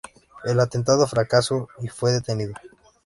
El atentado fracasó y fue detenido.